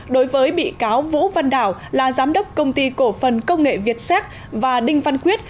đối với bị cáo vũ văn đảo là giám đốc công ty cổ phần công nghệ việt xét và đinh văn quyết